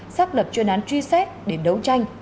xác lập chuyên án truy xét để đấu tranh